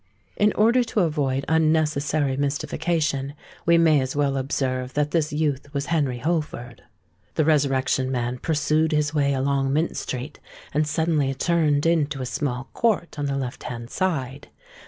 In order to avoid unnecessary mystification, we may as well observe that this youth was Henry Holford. The Resurrection Man pursued his way along Mint Street, and suddenly turned into a small court on the left hand side.